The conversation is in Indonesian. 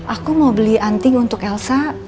aku mau beli anting untuk elsa